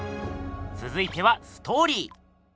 つづいてはストーリー。